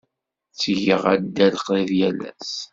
Ttgeɣ addal qrib yal ass.